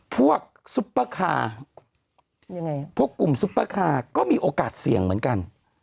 พวกซุปป้าคาพวกกลุ่มซุปป้าคาก็มีโอกาสเสี่ยงเหมือนกัน